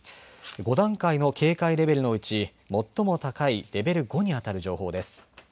５段階の警戒レベルのうち最も高いレベル５にあたる情報です。